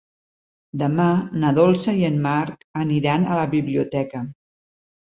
Demà na Dolça i en Marc aniran a la biblioteca.